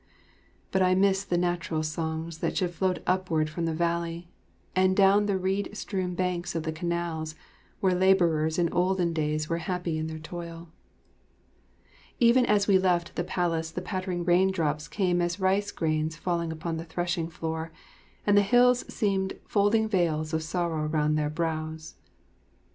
But I miss the natural songs that should float upward from the valley, and down the reed strewn banks of the canals, where labourers in olden days were happy in their toil. [Illustration: Mylady23.] Even as we left the place the pattering rain drops came as rice grains falling upon the threshing floor, and the hills seemed "folding veils of sorrow round their brows."